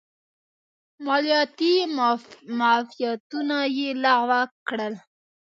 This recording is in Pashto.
مالیاتي معافیتونه یې لغوه کړل.